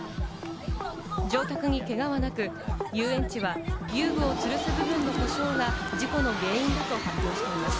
乗客にけがはなく、遊園地は遊具をつるす部分の故障が事故の原因だと発表しています。